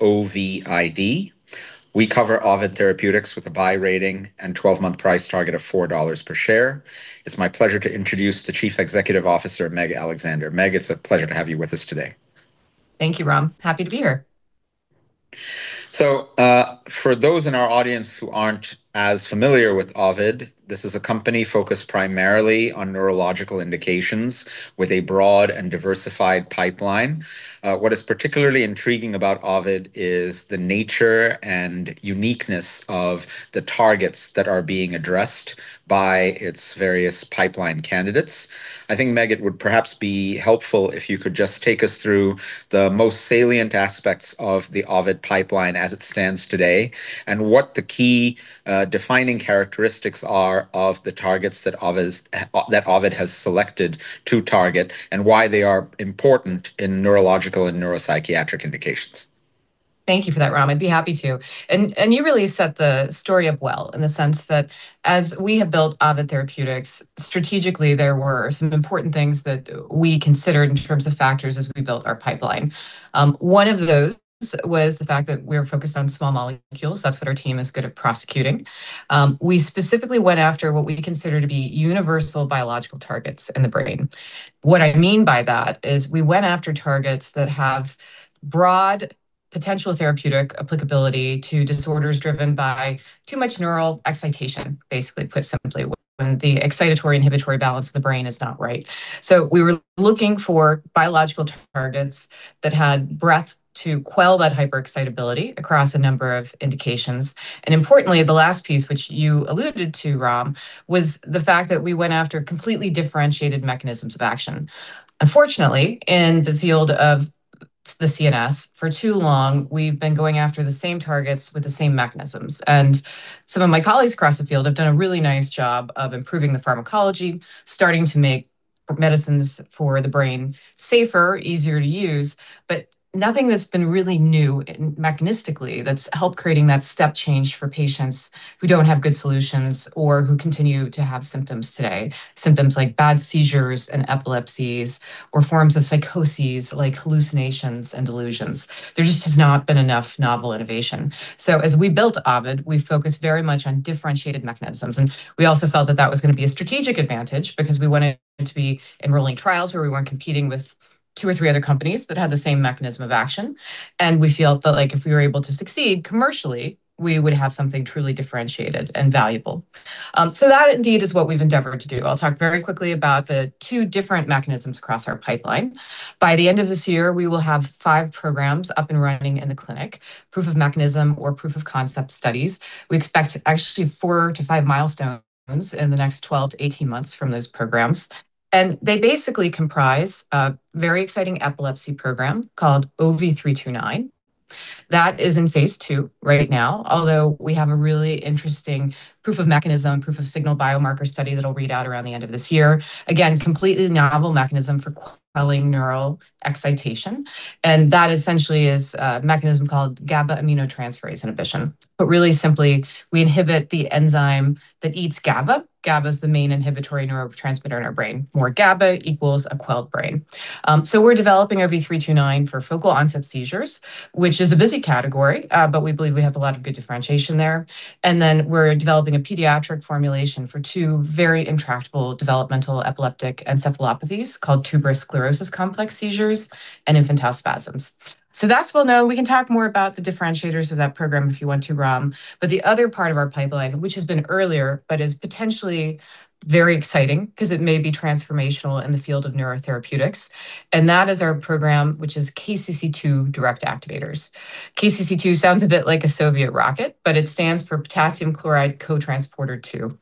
O-V-I-D. We cover Ovid Therapeutics with a buy rating and 12-month price target of $4 per share. It's my pleasure to introduce the Chief Executive Officer, Meg Alexander. Meg, it's a pleasure to have you with us today. Thank you, Ram. Happy to be here. For those in our audience who aren't as familiar with Ovid, this is a company focused primarily on neurological indications with a broad and diversified pipeline. What is particularly intriguing about Ovid is the nature and uniqueness of the targets that are being addressed by its various pipeline candidates. I think, Meg, it would perhaps be helpful if you could just take us through the most salient aspects of the Ovid pipeline as it stands today, and what the key defining characteristics are of the targets that Ovid has selected to target, and why they are important in neurological and neuropsychiatric indications. Thank you for that, Ram. I'd be happy to. You really set the story up well, in the sense that as we have built Ovid Therapeutics, strategically, there were some important things that we considered in terms of factors as we built our pipeline. One of those was the fact that we're focused on small molecules. That's what our team is good at prosecuting. We specifically went after what we consider to be universal biological targets in the brain. What I mean by that is we went after targets that have broad potential therapeutic applicability to disorders driven by too much neural excitation, basically put simply, when the excitatory inhibitory balance of the brain is not right. We were looking for biological targets that had breadth to quell that hyperexcitability across a number of indications. Importantly, the last piece, which you alluded to, Ram, was the fact that we went after completely differentiated mechanisms of action. Unfortunately, in the field of the CNS, for too long, we've been going after the same targets with the same mechanisms. Some of my colleagues across the field have done a really nice job of improving the pharmacology, starting to make medicines for the brain safer, easier to use, but nothing that's been really new mechanistically that's helped creating that step change for patients who don't have good solutions or who continue to have symptoms today. Symptoms like bad seizures and epilepsies, or forms of psychoses, like hallucinations and delusions. There just has not been enough novel innovation. As we built Ovid, we focused very much on differentiated mechanisms. We also felt that that was going to be a strategic advantage because we wanted to be enrolling trials where we weren't competing with two or three other companies that had the same mechanism of action, and we felt that if we were able to succeed commercially, we would have something truly differentiated and valuable. That indeed is what we've endeavored to do. I'll talk very quickly about the two different mechanisms across our pipeline. By the end of this year, we will have five programs up and running in the clinic, proof of mechanism or proof of concept studies. We expect actually four to five milestones in the next 12 to 18 months from those programs. They basically comprise a very exciting epilepsy program called OV329. That is in phase II right now, although we have a really interesting proof of mechanism, proof of signal biomarker study that'll read out around the end of this year. Again, completely novel mechanism for quelling neural excitation, and that essentially is a mechanism called GABA aminotransferase inhibition. Really simply, we inhibit the enzyme that eats GABA. GABA's the main inhibitory neurotransmitter in our brain. More GABA equals a quelled brain. We're developing OV329 for focal onset seizures, which is a busy category, but we believe we have a lot of good differentiation there. We're developing a pediatric formulation for two very intractable developmental epileptic encephalopathies called tuberous sclerosis complex seizures and infantile spasms. That's well known. We can talk more about the differentiators of that program if you want to, Ram. The other part of our pipeline, which has been earlier but is potentially very exciting because it may be transformational in the field of neurotherapeutics, and that is our program, which is KCC2 direct activators. KCC2 sounds a bit like a Soviet rocket, but it stands for Potassium-Chloride Cotransporter 2.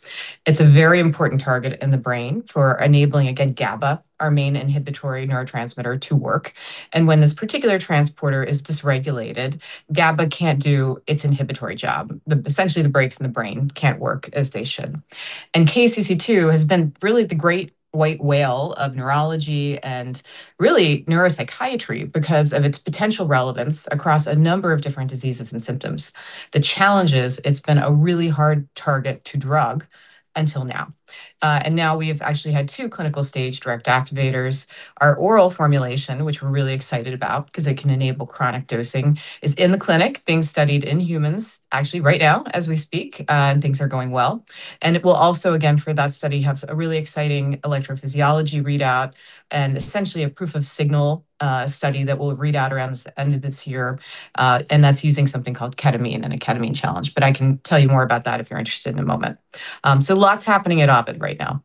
It's a very important target in the brain for enabling, again, GABA, our main inhibitory neurotransmitter, to work. When this particular transporter is dysregulated, GABA can't do its inhibitory job. Essentially, the brakes in the brain can't work as they should. KCC2 has been really the great white whale of neurology and really neuropsychiatry because of its potential relevance across a number of different diseases and symptoms. The challenge is it's been a really hard target to drug until now. Now we've actually had two clinical stage direct activators. Our oral formulation, which we're really excited about because it can enable chronic dosing, is in the clinic being studied in humans actually right now as we speak, and things are going well. It will also, again, for that study, have a really exciting electrophysiology readout and essentially a proof of signal study that will read out around the end of this year. That's using something called ketamine and a ketamine challenge, but I can tell you more about that if you're interested in a moment. Lots happening at Ovid right now.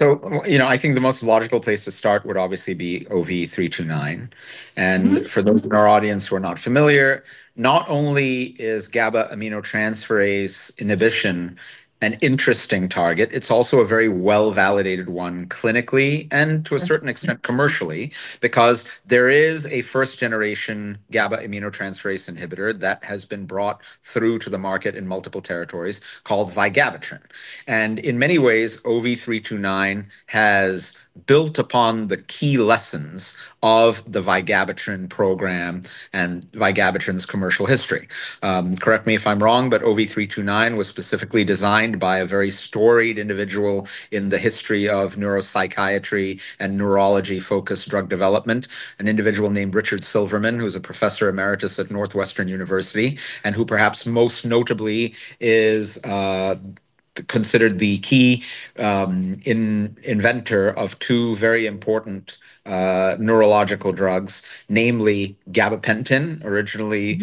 I think the most logical place to start would obviously be OV329. For those in our audience who are not familiar, not only is GABA aminotransferase inhibition an interesting target, it's also a very well-validated one clinically and to a certain extent commercially, because there is a first-generation GABA aminotransferase inhibitor that has been brought through to the market in multiple territories called vigabatrin. In many ways, OV329 has built upon the key lessons of the vigabatrin program and vigabatrin's commercial history. Correct me if I'm wrong, OV329 was specifically designed by a very storied individual in the history of neuropsychiatry and neurology-focused drug development, an individual named Richard Silverman, who's a professor emeritus at Northwestern University. Who perhaps most notably is considered the key inventor of two very important neurological drugs, namely gabapentin, originally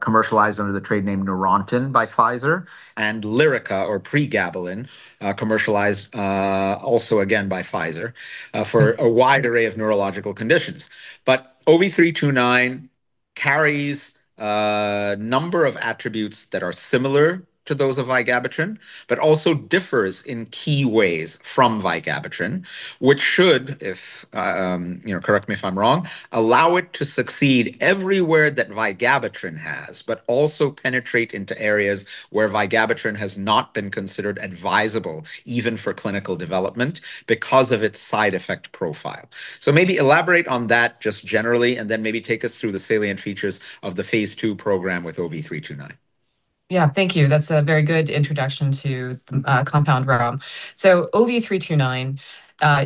commercialized under the trade name NEURONTIN by Pfizer Inc., and LYRICA or pregabalin, commercialized also again by Pfizer Inc., for a wide array of neurological conditions. OV329 carries a number of attributes that are similar to those of vigabatrin, but also differs in key ways from vigabatrin, which should, correct me if I'm wrong, allow it to succeed everywhere that vigabatrin has, but also penetrate into areas where vigabatrin has not been considered advisable, even for clinical development because of its side effect profile, maybe elaborate on that just generally, then maybe take us through the salient features of the phase II program with OV329. Yeah. Thank you. That's a very good introduction to compound, Ram. OV329,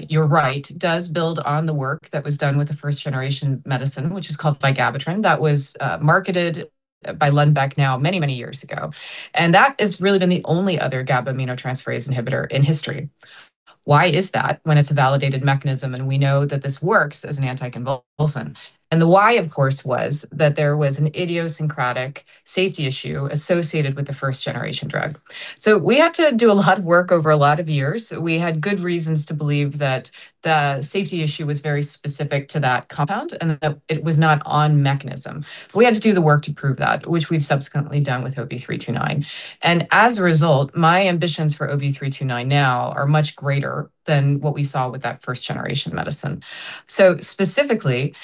you're right, does build on the work that was done with the first generation medicine, which was called vigabatrin, that was marketed by Lundbeck now many years ago. That has really been the only other GABA aminotransferase inhibitor in history. Why is that when it's a validated mechanism and we know that this works as an anticonvulsant? The why, of course, was that there was an idiosyncratic safety issue associated with the first generation drug. We had to do a lot of work over a lot of years. We had good reasons to believe that the safety issue was very specific to that compound and that it was not on mechanism. We had to do the work to prove that, which we've subsequently done with OV329. As a result, my ambitions for OV329 now are much greater than what we saw with that first generation medicine. Specifically,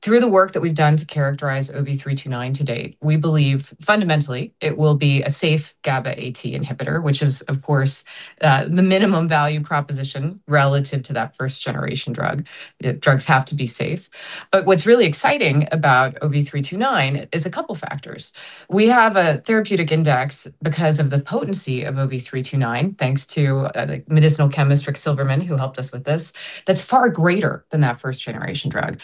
through the work that we've done to characterize OV329 to date, we believe fundamentally it will be a safe GABA-AT inhibitor, which is, of course, the minimum value proposition relative to that first generation drug. Drugs have to be safe. What's really exciting about OV329 is a couple factors. We have a therapeutic index because of the potency of OV329, thanks to the medicinal chemist, Rick Silverman, who helped us with this. That's far greater than that first generation drug.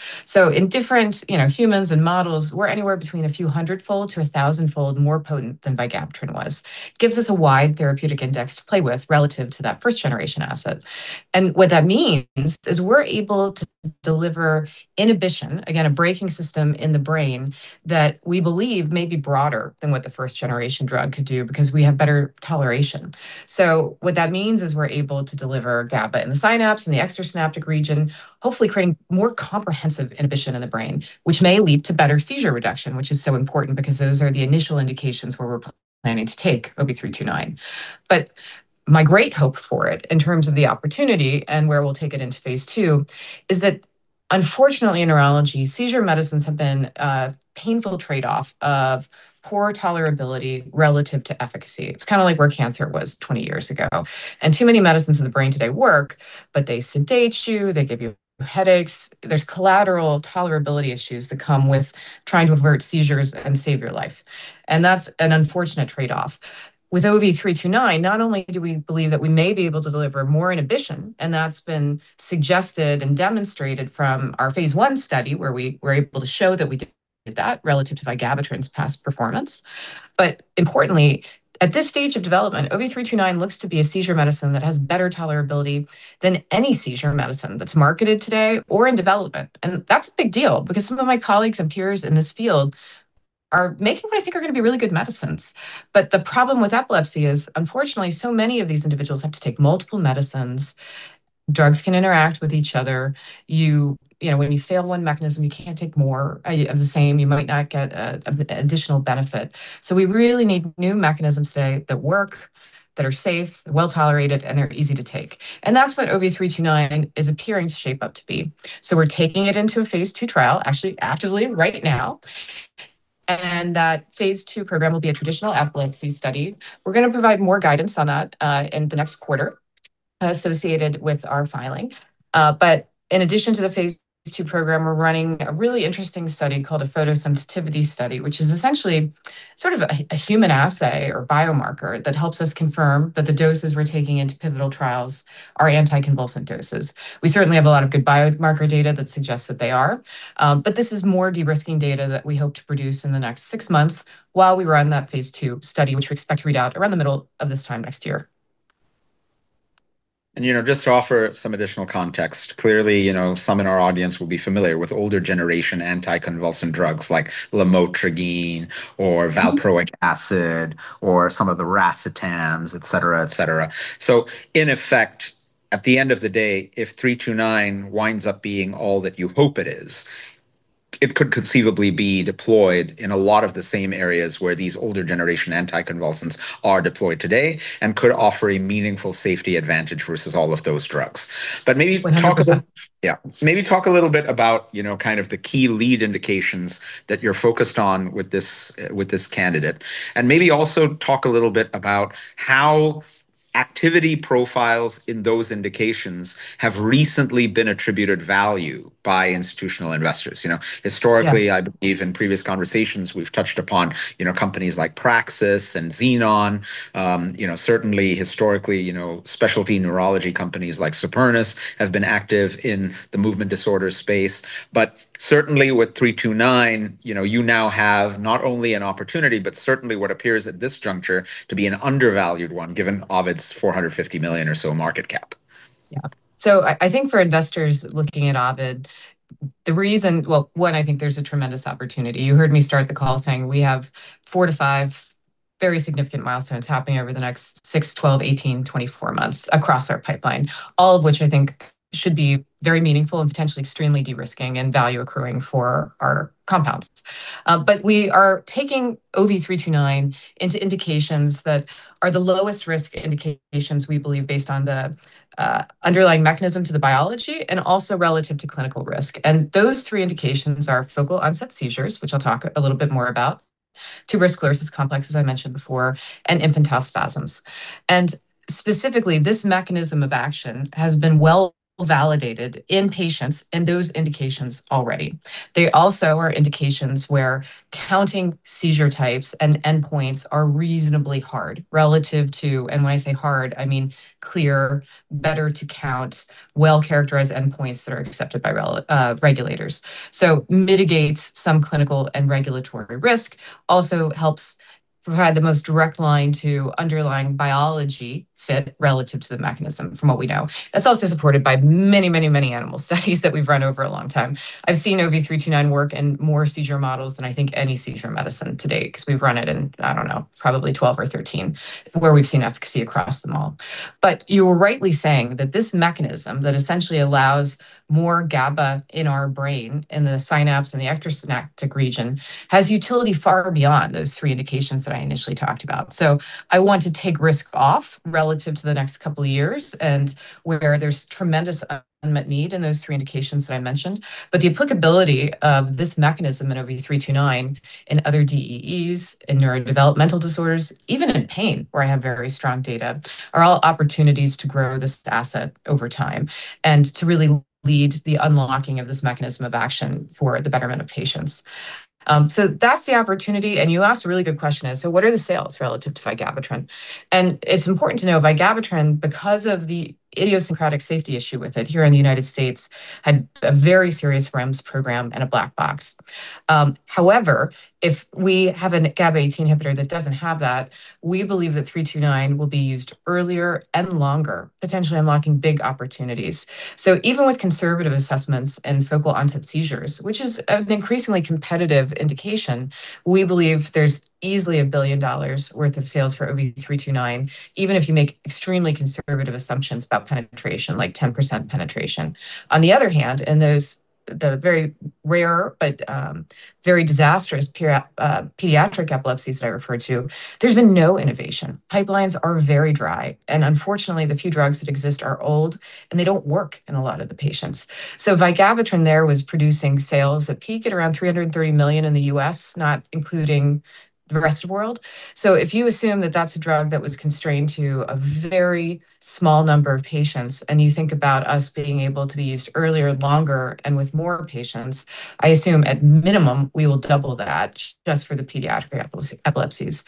In different humans and models, we're anywhere between a few hundredfold to a thousand fold more potent than vigabatrin was. Gives us a wide therapeutic index to play with relative to that first generation asset. What that means is we're able to deliver inhibition, again, a braking system in the brain that we believe may be broader than what the first generation drug could do because we have better toleration. What that means is we're able to deliver GABA in the synapse, in the extrasynaptic region, hopefully creating more comprehensive inhibition in the brain, which may lead to better seizure reduction, which is so important because those are the initial indications where we're planning to take OV329. My great hope for it in terms of the opportunity and where we'll take it into phase II is that unfortunately in neurology, seizure medicines have been a painful trade-off of poor tolerability relative to efficacy. It's kind of like where cancer was 20 years ago. Too many medicines in the brain today work, but they sedate you, they give you headaches. There's collateral tolerability issues that come with trying to avert seizures and save your life. That's an unfortunate trade-off. With OV329, not only do we believe that we may be able to deliver more inhibition, and that's been suggested and demonstrated from our phase I study, where we were able to show that we did that relative to vigabatrin's past performance. Importantly, at this stage of development, OV329 looks to be a seizure medicine that has better tolerability than any seizure medicine that's marketed today or in development. That's a big deal because some of my colleagues and peers in this field are making what I think are going to be really good medicines. But the problem with epilepsy is, unfortunately, so many of these individuals have to take multiple medicines. Drugs can interact with each other. We really need new mechanisms today that work, that are safe, well-tolerated, and they're easy to take. That's what OV329 is appearing to shape up to be. We're taking it into a phase II trial, actually actively right now. That phase II program will be a traditional epilepsy study. We're going to provide more guidance on that in the next quarter associated with our filing. In addition to the phase II program, we're running a really interesting study called a photosensitivity study, which is essentially sort of a human assay or biomarker that helps us confirm that the doses we're taking into pivotal trials are anticonvulsant doses. We certainly have a lot of good biomarker data that suggests that they are. But this is more de-risking data that we hope to produce in the next six months while we run that phase II study, which we expect to read out around the middle of this time next year. Just to offer some additional context, clearly some in our audience will be familiar with older generation anticonvulsant drugs like lamotrigine or valproic acid or some of the racetams, et cetera. In effect, at the end of the day, if 329 winds up being all that you hope it is, it could conceivably be deployed in a lot of the same areas where these older generation anticonvulsants are deployed today and could offer a meaningful safety advantage versus all of those drugs. Maybe talk a little bit about the key lead indications that you're focused on with this candidate. Maybe also talk a little bit about how activity profiles in those indications have recently been attributed value by institutional investors. Historically, I believe in previous conversations we've touched upon companies like Praxis Precision Medicines and Xenon Pharmaceuticals. Certainly historically, specialty neurology companies like Supernus Pharmaceuticals have been active in the movement disorder space. Certainly with 329, you now have not only an opportunity, but certainly what appears at this juncture to be an undervalued one given Ovid Therapeutics's $450 million or so market cap. Yeah. I think for investors looking at Ovid Therapeutics, one, I think there's a tremendous opportunity. You heard me start the call saying we have four to five very significant milestones happening over the next six, 12, 18, 24 months across our pipeline. All of which I think should be very meaningful and potentially extremely de-risking and value accruing for our compounds. We are taking OV329 into indications that are the lowest risk indications, we believe, based on the underlying mechanism to the biology, and also relative to clinical risk. Those three indications are focal onset seizures, which I'll talk a little bit more about, tuberous sclerosis complex, as I mentioned before, and infantile spasms. Specifically, this mechanism of action has been well validated in patients in those indications already. They also are indications where counting seizure types and endpoints are reasonably hard relative to, and when I say hard, I mean clear, better to count, well-characterized endpoints that are accepted by regulators. Mitigates some clinical and regulatory risk, also helps provide the most direct line to underlying biology fit relative to the mechanism from what we know. That's also supported by many, many, many animal studies that we've run over a long time. I've seen OV329 work in more seizure models than I think any seizure medicine today, because we've run it in, I don't know, probably 12 or 13, where we've seen efficacy across them all. You were rightly saying that this mechanism that essentially allows more GABA in our brain, in the synapse, in the extrasynaptic region, has utility far beyond those three indications that I initially talked about. I want to take risk off relative to the next couple of years and where there's tremendous unmet need in those three indications that I mentioned. The applicability of this mechanism in OV329 in other DEEs, in neurodevelopmental disorders, even in pain, where I have very strong data, are all opportunities to grow this asset over time and to really lead the unlocking of this mechanism of action for the betterment of patients. That's the opportunity, and you asked a really good question, what are the sales relative to vigabatrin? It's important to know vigabatrin, because of the idiosyncratic safety issue with it here in the U.S., had a very serious REMS program and a black box. However, if we have a GABA-AT inhibitor that doesn't have that, we believe that 329 will be used earlier and longer, potentially unlocking big opportunities. Even with conservative assessments in focal onset seizures, which is an increasingly competitive indication, we believe there's easily a $1 billion worth of sales for OV329, even if you make extremely conservative assumptions about penetration, like 10% penetration. In the very rare but very disastrous pediatric epilepsies that I referred to, there's been no innovation. Pipelines are very dry, and unfortunately, the few drugs that exist are old, and they don't work in a lot of the patients. vigabatrin there was producing sales that peak at around $330 million in the U.S., not including the rest of the world. If you assume that that's a drug that was constrained to a very small number of patients, and you think about us being able to be used earlier, longer, and with more patients, I assume at minimum, we will double that just for the pediatric epilepsies.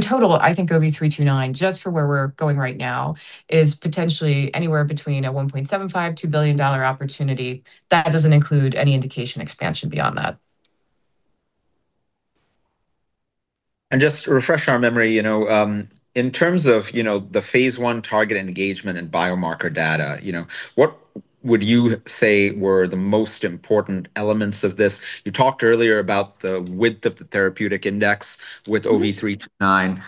In total, I think OV329, just for where we're going right now, is potentially anywhere between a $1.75 billion, $2 billion opportunity. That doesn't include any indication expansion beyond that. Just to refresh our memory, in terms of the phase I target engagement and biomarker data, what would you say were the most important elements of this? You talked earlier about the width of the therapeutic index with OV329.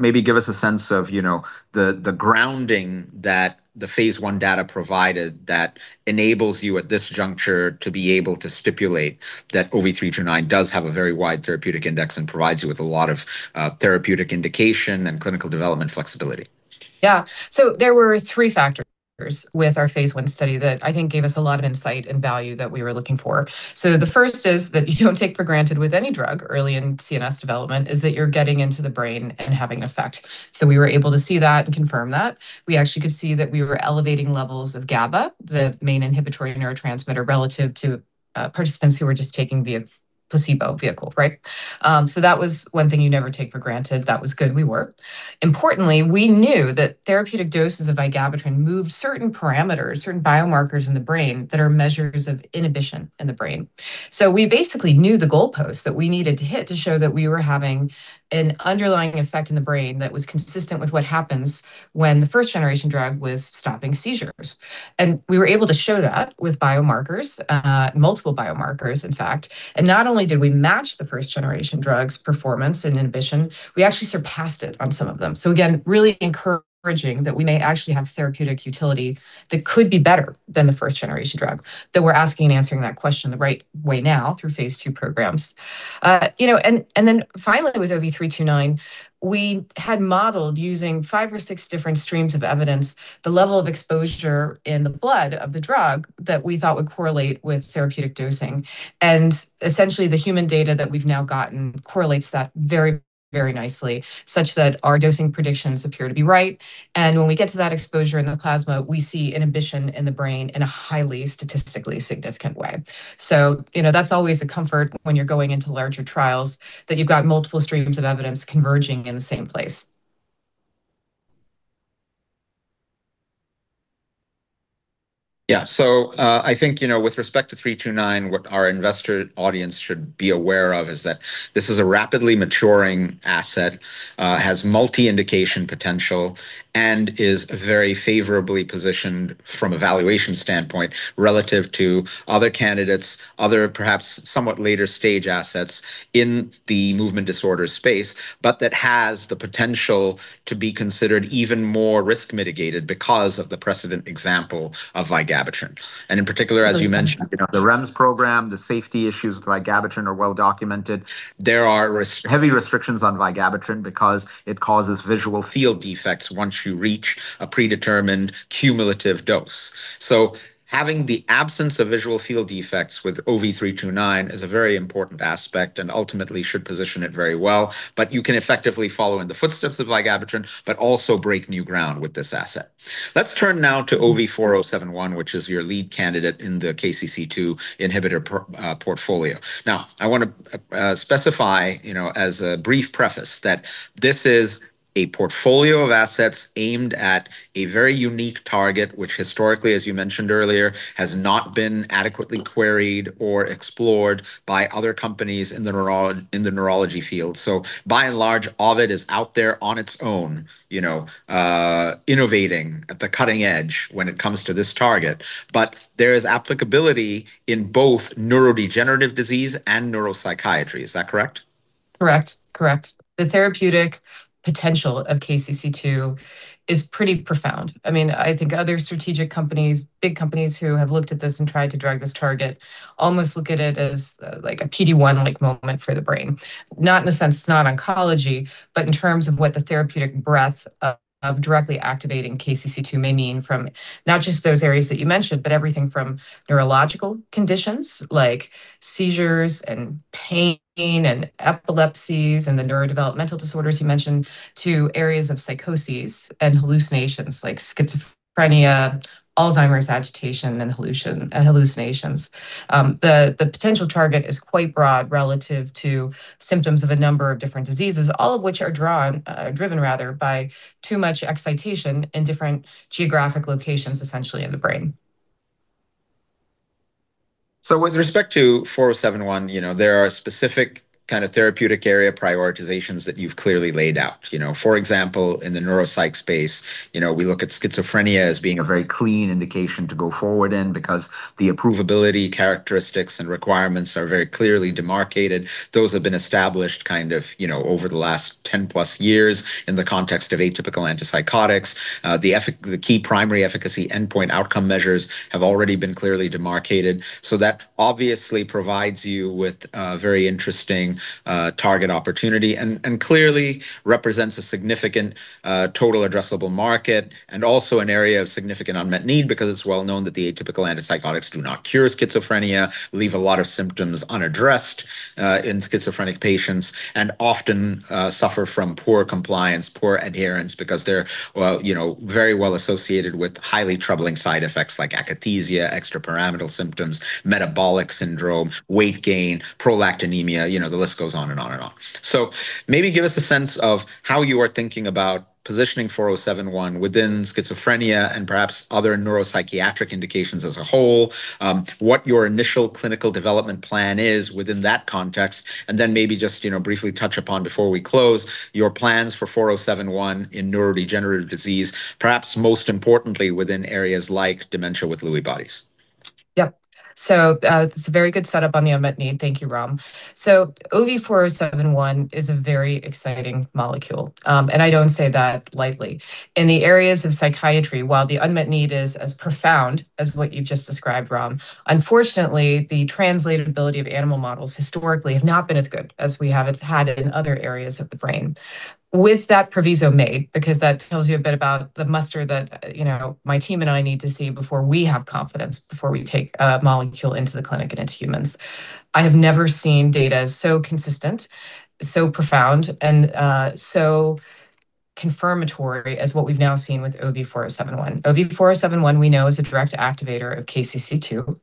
Maybe give us a sense of the grounding that the phase I data provided that enables you at this juncture to be able to stipulate that OV329 does have a very wide therapeutic index and provides you with a lot of therapeutic indication and clinical development flexibility. Yeah. There were three factors with our phase I study that I think gave us a lot of insight and value that we were looking for. The first is that you don't take for granted with any drug early in CNS development, is that you're getting into the brain and having effect. We actually could see that we were elevating levels of GABA, the main inhibitory neurotransmitter, relative to participants who were just taking the placebo vehicle. That was one thing you never take for granted. That was good. We worked. Importantly, we knew that therapeutic doses of vigabatrin moved certain parameters, certain biomarkers in the brain that are measures of inhibition in the brain. We basically knew the goalposts that we needed to hit to show that we were having an underlying effect in the brain that was consistent with what happens when the first-generation drug was stopping seizures. We were able to show that with biomarkers, multiple biomarkers, in fact. Not only did we match the first-generation drug's performance and inhibition, we actually surpassed it on some of them. Again, really encouraging that we may actually have therapeutic utility that could be better than the first-generation drug, that we're asking and answering that question the right way now through phase II programs. Finally with OV329, we had modeled using five or six different streams of evidence, the level of exposure in the blood of the drug that we thought would correlate with therapeutic dosing. Essentially, the human data that we've now gotten correlates that very, very nicely, such that our dosing predictions appear to be right. When we get to that exposure in the plasma, we see inhibition in the brain in a highly statistically significant way. That's always a comfort when you're going into larger trials, that you've got multiple streams of evidence converging in the same place. Yeah. I think, with respect to 329, what our investor audience should be aware of is that this is a rapidly maturing asset, has multi-indication potential, and is very favorably positioned from a valuation standpoint relative to other candidates, other perhaps somewhat later stage assets in the movement disorder space, but that has the potential to be considered even more risk mitigated because of the precedent example of vigabatrin. In particular, as you mentioned, the REMS program, the safety issues with vigabatrin are well documented. There are heavy restrictions on vigabatrin because it causes visual field defects once you reach a predetermined cumulative dose. Having the absence of visual field defects with OV329 is a very important aspect and ultimately should position it very well. You can effectively follow in the footsteps of vigabatrin, but also break new ground with this asset. Let's turn now to OV4071, which is your lead candidate in the KCC2 inhibitor portfolio. I want to specify as a brief preface that this is a portfolio of assets aimed at a very unique target, which historically, as you mentioned earlier, has not been adequately queried or explored by other companies in the neurology field. By and large, Ovid is out there on its own innovating at the cutting edge when it comes to this target. There is applicability in both neurodegenerative disease and neuropsychiatry. Is that correct? Correct. The therapeutic potential of KCC2 is pretty profound. I think other strategic companies, big companies who have looked at this and tried to drug this target almost look at it as like a PD-1 like moment for the brain. Not in the sense it's not oncology, but in terms of what the therapeutic breadth of directly activating KCC2 may mean from not just those areas that you mentioned, but everything from neurological conditions like seizures and pain and epilepsies and the neurodevelopmental disorders you mentioned, to areas of psychoses and hallucinations like schizophrenia, Alzheimer's agitation, and hallucinations. The potential target is quite broad relative to symptoms of a number of different diseases, all of which are driven by too much excitation in different geographic locations, essentially in the brain. With respect to 4071, there are specific therapeutic area prioritizations that you've clearly laid out. For example, in the neuropsych space, we look at schizophrenia as being a very clean indication to go forward in because the approvability characteristics and requirements are very clearly demarcated. Those have been established over the last 10+ years in the context of atypical antipsychotics. The key primary efficacy endpoint outcome measures have already been clearly demarcated. That obviously provides you with a very interesting target opportunity, and clearly represents a significant total addressable market, and also an area of significant unmet need because it's well known that the atypical antipsychotics do not cure schizophrenia, leave a lot of symptoms unaddressed in schizophrenic patients, and often suffer from poor compliance, poor adherence, because they're very well associated with highly troubling side effects like akathisia, extrapyramidal symptoms, metabolic syndrome, weight gain, hyperprolactinemia. The list goes on and on and on. Maybe give us a sense of how you are thinking about positioning 4071 within schizophrenia and perhaps other neuropsychiatric indications as a whole. What your initial clinical development plan is within that context, and then maybe just briefly touch upon before we close your plans for 4071 in neurodegenerative disease, perhaps most importantly, within areas like dementia with Lewy bodies. Yep. It's a very good setup on the unmet need. Thank you, Ram. OV4071 is a very exciting molecule, and I don't say that lightly. In the areas of psychiatry, while the unmet need is as profound as what you've just described, Ram, unfortunately, the translatability of animal models historically have not been as good as we have had in other areas of the brain. With that proviso made, because that tells you a bit about the muster that my team and I need to see before we have confidence, before we take a molecule into the clinic and into humans. I have never seen data so consistent, so profound, and so confirmatory as what we've now seen with OV4071. OV4071, we know, is a direct activator of KCC2.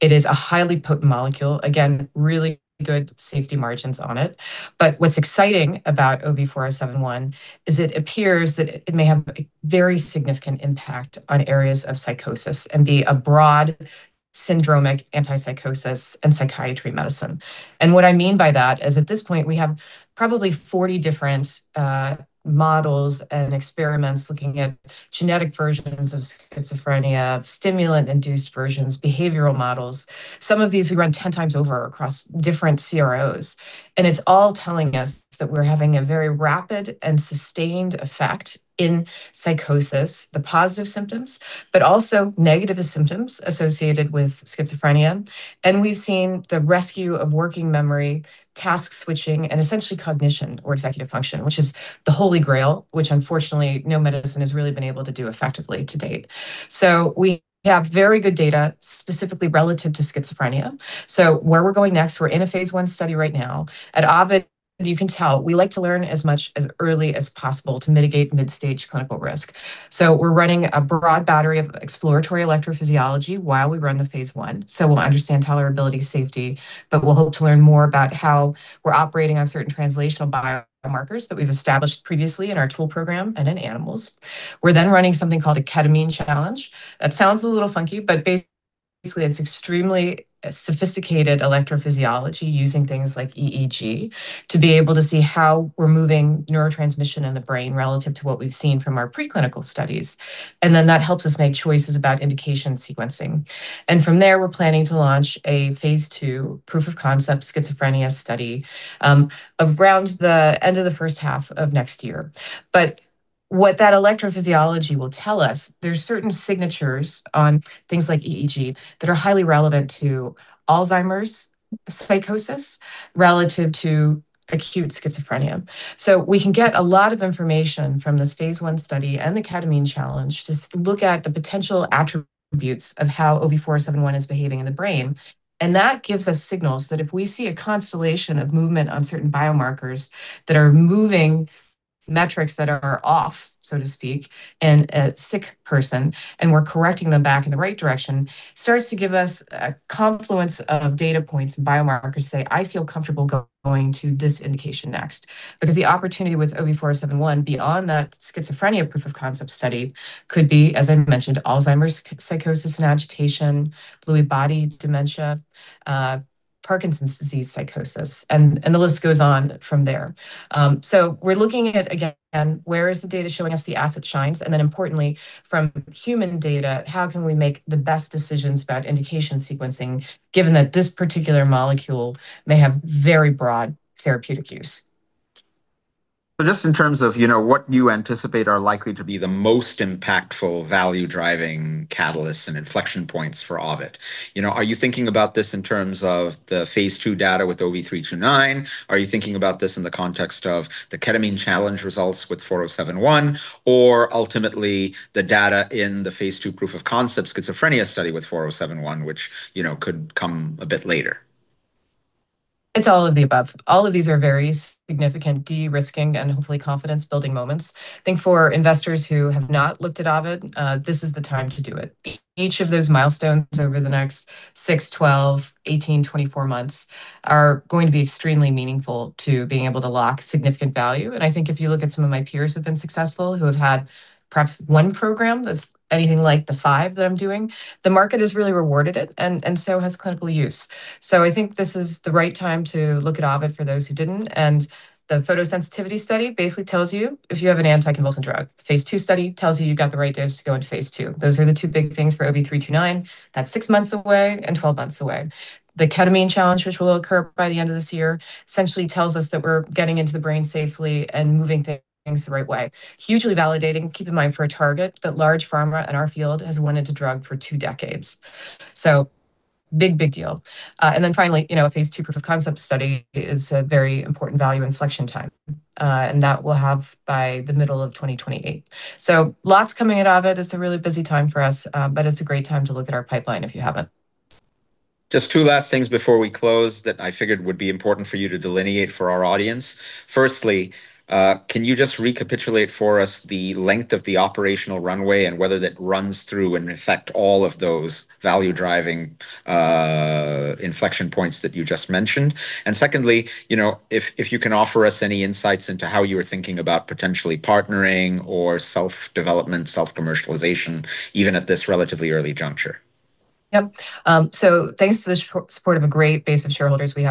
It is a highly potent molecule. Again, really good safety margins on it. What's exciting about OV4071 is it appears that it may have a very significant impact on areas of psychosis and be a broad syndromic antipsychosis in psychiatry medicine. What I mean by that is at this point, we have probably 40 different models and experiments looking at genetic versions of schizophrenia, stimulant-induced versions, behavioral models. Some of these we run 10x over across different CROs. It's all telling us that we're having a very rapid and sustained effect in psychosis, the positive symptoms, but also negative symptoms associated with schizophrenia. We've seen the rescue of working memory, task switching, and essentially cognition or executive function, which is the holy grail, which unfortunately no medicine has really been able to do effectively to date. We have very good data specifically relative to schizophrenia. Where we're going next, we're in a phase I study right now. At Ovid, you can tell, we like to learn as much as early as possible to mitigate mid-stage clinical risk. We're running a broad battery of exploratory electrophysiology while we run the phase I, so we'll understand tolerability, safety, but we'll hope to learn more about how we're operating on certain translational biomarkers that we've established previously in our tool program and in animals. We're running something called a ketamine challenge. That sounds a little funky, but basically, it's extremely sophisticated electrophysiology using things like EEG to be able to see how we're moving neurotransmission in the brain relative to what we've seen from our preclinical studies. That helps us make choices about indication sequencing. From there, we're planning to launch a phase II proof-of-concept schizophrenia study, around the end of the first half of next year. What that electrophysiology will tell us, there's certain signatures on things like EEG that are highly relevant to Alzheimer's psychosis relative to acute schizophrenia. We can get a lot of information from this phase I study and the ketamine challenge to look at the potential attributes of how OV4071 is behaving in the brain. That gives us signals that if we see a constellation of movement on certain biomarkers that are moving metrics that are off, so to speak, in a sick person, and we're correcting them back in the right direction, starts to give us a confluence of data points and biomarkers say, "I feel comfortable going to this indication next." Because the opportunity with OV4071 beyond that schizophrenia proof-of-concept study could be, as I mentioned, Alzheimer's psychosis and agitation, Lewy body dementia, Parkinson's disease psychosis, and the list goes on from there. We're looking at, again, where is the data showing us the asset shines? Importantly, from human data, how can we make the best decisions about indication sequencing, given that this particular molecule may have very broad therapeutic use? Just in terms of what you anticipate are likely to be the most impactful value-driving catalysts and inflection points for Ovid. Are you thinking about this in terms of the phase II data with OV329? Are you thinking about this in the context of the ketamine challenge results with OV4071? Or ultimately, the data in the phase II proof-of-concept schizophrenia study with OV4071, which could come a bit later? It's all of the above. All of these are very significant de-risking and hopefully confidence-building moments. I think for investors who have not looked at Ovid, this is the time to do it. Each of those milestones over the next six, 12, 18, 24 months are going to be extremely meaningful to being able to lock significant value. I think if you look at some of my peers who have been successful, who have had perhaps one program that's anything like the five that I'm doing, the market has really rewarded it, and so has clinical use. I think this is the right time to look at Ovid for those who didn't, and the photosensitivity study basically tells you if you have an anticonvulsant drug. The phase II study tells you you got the right dose to go into phase II. Those are the two big things for OV329. That's 6 months away and 12 months away. The ketamine challenge, which will occur by the end of this year, essentially tells us that we're getting into the brain safely and moving things the right way. Hugely validating, keep in mind, for a target that large pharma in our field has wanted to drug for two decades. Big deal. Finally, a phase II proof-of-concept study is a very important value inflection time. That we'll have by the middle of 2028. Lots coming at Ovid. It's a really busy time for us. It's a great time to look at our pipeline if you haven't. Just two last things before we close that I figured would be important for you to delineate for our audience. Firstly, can you just recapitulate for us the length of the operational runway and whether that runs through, in effect, all of those value-driving inflection points that you just mentioned? Secondly, if you can offer us any insights into how you are thinking about potentially partnering or self-development, self-commercialization, even at this relatively early juncture. Yep. Thanks to the support of a great base of shareholders we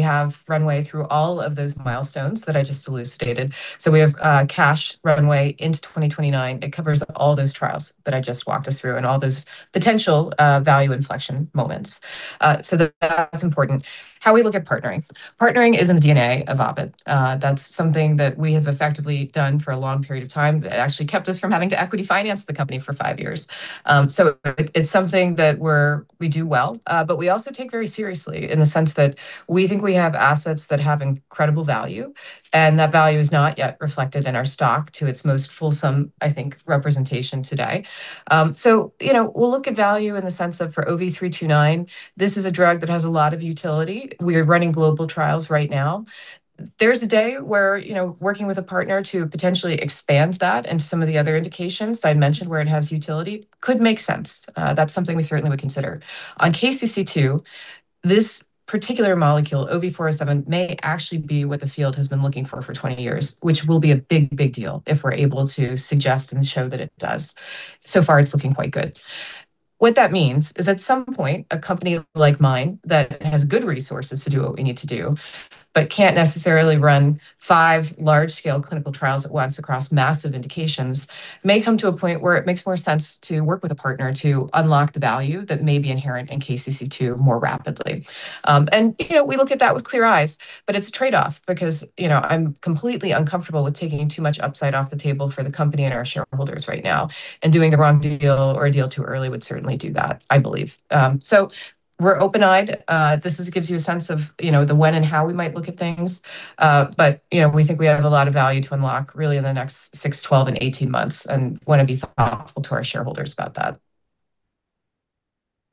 have runway through all of those milestones that I just elucidated. We have cash runway into 2029. It covers all those trials that I just walked us through and all those potential value inflection moments. That's important. How we look at partnering. Partnering is in the DNA of Ovid. That's something that we have effectively done for a long period of time. It actually kept us from having to equity finance the company for five years. It's something that we do well. We also take very seriously in the sense that we think we have assets that have incredible value, and that value is not yet reflected in our stock to its most fulsome, I think, representation today. We'll look at value in the sense of, for OV329, this is a drug that has a lot of utility. We are running global trials right now. There is a day where working with a partner to potentially expand that into some of the other indications that I mentioned where it has utility could make sense. That's something we certainly would consider. On KCC2, this particular molecule, OV4071, may actually be what the field has been looking for 20 years, which will be a big deal if we're able to suggest and show that it does. So far, it's looking quite good. What that means is at some point, a company like mine that has good resources to do what we need to do but can't necessarily run five large-scale clinical trials at once across massive indications may come to a point where it makes more sense to work with a partner to unlock the value that may be inherent in KCC2 more rapidly. We look at that with clear eyes, but it's a trade-off because I'm completely uncomfortable with taking too much upside off the table for the company and our shareholders right now, and doing the wrong deal or a deal too early would certainly do that, I believe. We're open-eyed. This gives you a sense of the when and how we might look at things. We think we have a lot of value to unlock really in the next six, 12, and 18 months and want to be thoughtful to our shareholders about that.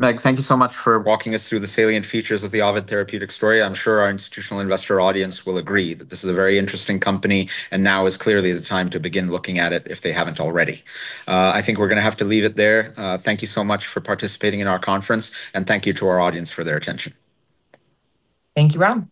Meg, thank you so much for walking us through the salient features of the Ovid Therapeutics story. I'm sure our institutional investor audience will agree that this is a very interesting company. Now is clearly the time to begin looking at it if they haven't already. I think we're going to have to leave it there. Thank you so much for participating in our conference. Thank you to our audience for their attention. Thank you, Ram.